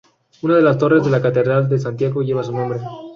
Una de las torres de la catedral de Santiago, lleva su nombre.